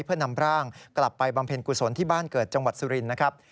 เพื่อนำร่างกลับไปบำเพ็ญกุศลที่บ้านเกิดจังหวัดสุรินทร์นะครับ